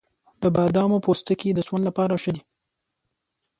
د بادامو پوستکی د سون لپاره ښه دی؟